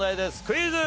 クイズ。